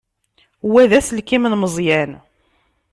Wa d aselkim n Meẓyan.